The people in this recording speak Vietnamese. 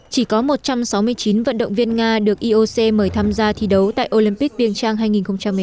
chỉ có một trăm sáu mươi chín vận động viên nga được ioc mời tham gia thi đấu tại olympic piêng trang hai nghìn một mươi tám